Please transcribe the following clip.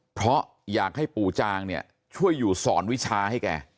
เพราะอยากให้ปู่จางเนี่ยช่วยอยู่สอนวิชาให้แก